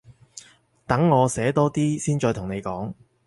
等我寫多啲先再同你講